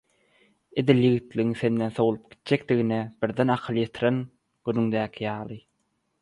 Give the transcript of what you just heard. Edil ýigitligiň senden sowlup gitjekdigine birden akyl ýetiren günüňdäki ýaly.